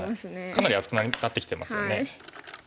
かなり厚くなってきてますよね。